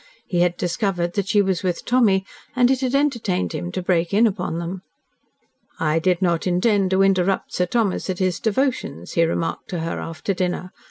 He had discovered that she was with Tommy, and it had entertained him to break in upon them. "I did not intend to interrupt Sir Thomas at his devotions," he remarked to her after dinner.